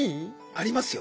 ありますよ。